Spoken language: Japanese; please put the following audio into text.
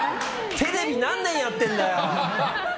テレビ何年やってるんだよ！